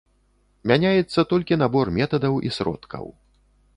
Мяняецца толькі набор метадаў і сродкаў.